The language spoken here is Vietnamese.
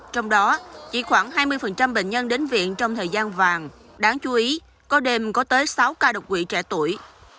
trong đó chỉ khoảng hai mươi bệnh nhân đến viện trong thời gian vàng đáng chú ý có đêm có tới sáu ca đột quỵ trẻ tuổi